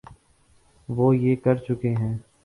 وہ یہ کر چکے ہیں۔